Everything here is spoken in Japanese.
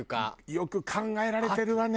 よく考えられてるわね。